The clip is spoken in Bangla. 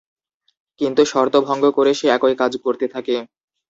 কিন্তু শর্ত ভঙ্গ করে সে একই কাজ করতে থাকে।